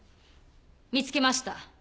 見つけました。